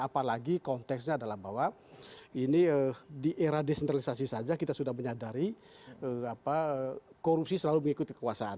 apalagi konteksnya adalah bahwa ini di era desentralisasi saja kita sudah menyadari korupsi selalu mengikuti kekuasaan